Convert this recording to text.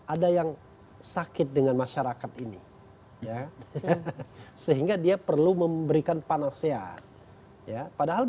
ada yang sakit dengan masyarakat ini ya sehingga dia perlu memberikan panas sehat ya padahal